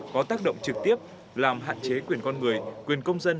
có tác động trực tiếp làm hạn chế quyền con người quyền công dân